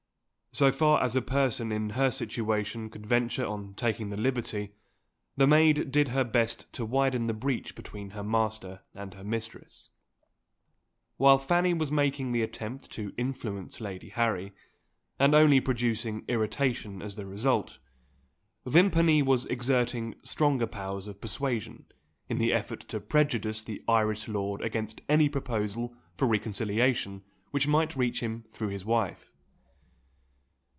So far as a person in her situation could venture on taking the liberty, the maid did her best to widen the breach between her master and her mistress. While Fanny was making the attempt to influence Lady Harry, and only producing irritation as the result, Vimpany was exerting stronger powers of persuasion in the effort to prejudice the Irish lord against any proposal for reconciliation which might reach him through his wife.